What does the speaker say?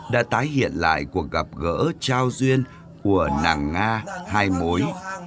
đã tái hiện lại cuộc gặp gỡ trao duyên của nàng nga hai mối